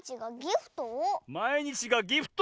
「まいにちがギフト」？